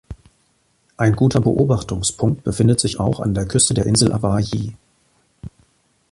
Ein guter Beobachtungspunkt befindet sich auch an der Küste der Insel Awaji.